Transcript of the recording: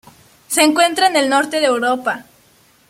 Se encuentra en el norte de Europa.